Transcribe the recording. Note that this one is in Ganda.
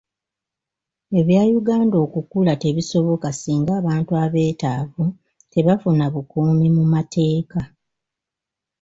Ebya Uganda okukula tebisoboka singa abantu abeetaavu tebafuna bukuumi mu mateeka.